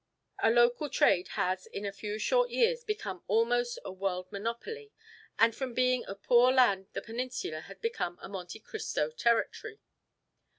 A local trade has in a few short years become almost a world monopoly, and from being a poor land the Peninsula has become a Monte Cristo territory.